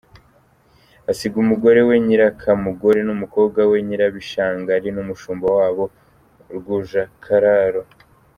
Asiga umugore we Nyirakamugore n’umukobwa we Nyirabishangali n’umushumba wabo Rwujakararo.